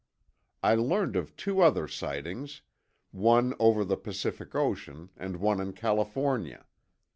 I learned of two other sightings, one over the Pacific Ocean and one in California.